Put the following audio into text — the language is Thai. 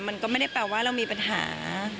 มันก็ไม่ได้แปลว่าเรามีปัญหา